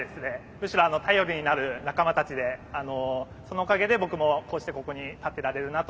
むしろ頼りになる仲間たちでそのおかげで僕もこうしてここに立ってられるなと。